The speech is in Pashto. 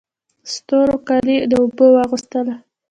ستورو کالي د اوبو واغوستله